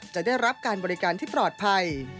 จะได้รับการบริการที่ปลอดภัย